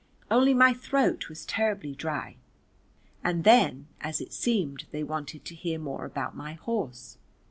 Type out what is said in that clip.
Only my throat was terribly dry. And then as it seemed they wanted to hear more about my horse.